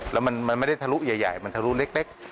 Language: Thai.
แล้วมันไม่ได้ทะลุใหญ่มันทะลุเล็ก